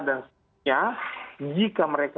untuk melumpuhkan mereka